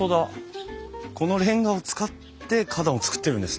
このレンガを使って花壇を作ってるんですね。